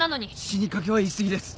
死にかけは言い過ぎです。